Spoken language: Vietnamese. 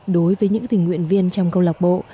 đối với những tình nguyện viên trong câu lạc bộ